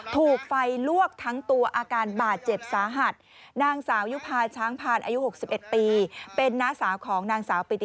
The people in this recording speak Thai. ถูกไฟลวกทั้งตัวอาการบาดเจ็บสาหันต์